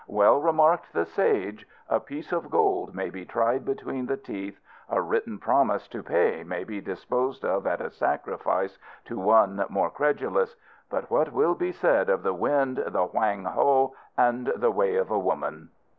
Well remarked the Sage, "A piece of gold may be tried between the teeth; a written promise to pay may be disposed of at a sacrifice to one more credulous; but what shall be said of the wind, the Hoang Ho, and the way of a woman?"